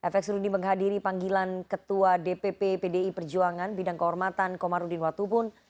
fx rudi menghadiri panggilan ketua dpp pdi perjuangan bidang kehormatan komarudin watubun